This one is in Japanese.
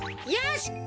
よし！